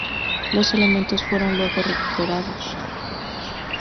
Los elementos fueron luego recuperados.